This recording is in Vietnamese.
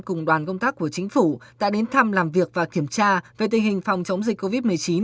cùng đoàn công tác của chính phủ đã đến thăm làm việc và kiểm tra về tình hình phòng chống dịch covid một mươi chín